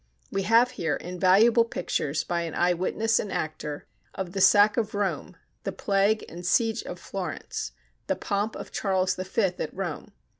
We have here invaluable pictures, by an eye witness and actor, of the sack of Rome, the plague and siege of Florence, the pomp of Charles V. at Rome.